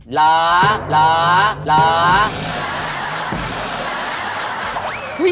หรอหรอหรอ